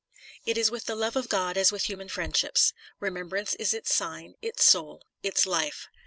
It is with the love of God as with human friendships. Remembrance is its sign, its soul, its life.